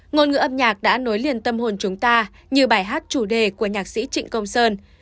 ngôn ngữ âm nhạc đã nối liền tâm hồn chúng ta như bài hát chủ đề của nhạc sĩ trịnh công sơn